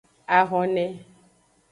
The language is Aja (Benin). Ahone.